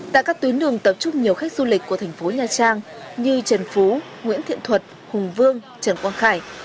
tại các tuyến đường tập trung nhiều khách du lịch của thành phố nha trang như trần phú nguyễn thiện thuật hùng vương trần quang khải